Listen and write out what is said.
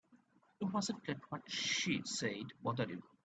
You mustn't let what she said bother you.